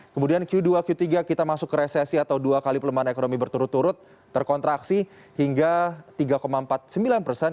kemudian q dua q tiga kita masuk ke resesi atau dua kali pelemahan ekonomi berturut turut terkontraksi hingga tiga empat puluh sembilan persen